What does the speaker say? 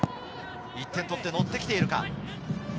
１点とって、のってきているか。